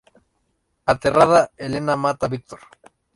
Aterrada, Elena mata a Victor.